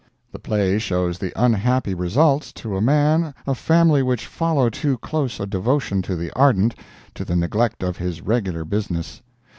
The play shows the unhappy results to a man of family which follow too close a devotion to the ardent, to the neglect of his regular business.